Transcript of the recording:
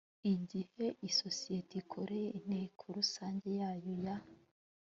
igihe isosiyete ikoreye inteko rusange yayo ya